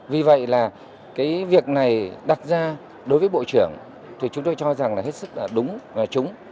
vì vậy là cái việc này đặt ra đối với bộ trưởng thì chúng tôi cho rằng là hết sức là đúng và trúng